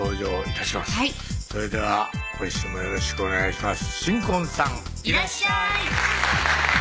それでは今週もよろしくお願いします